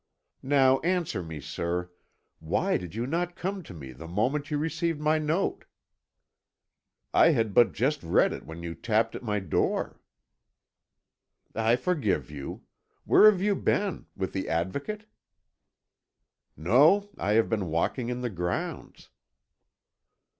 Now, answer me, sir. Why did you not come to me the moment you received my note?" "I had but just read it when you tapped at my door." "I forgive you. Where have you been? With the Advocate?" "No; I have been walking in the grounds."